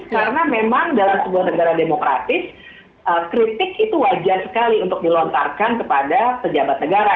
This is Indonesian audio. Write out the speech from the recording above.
karena memang dalam sebuah negara demokratis kritik itu wajar sekali untuk dilontarkan kepada pejabat negara